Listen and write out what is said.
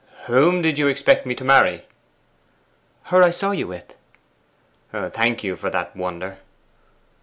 'Whom did you expect me to marry?' 'Her I saw you with.' 'Thank you for that wonder.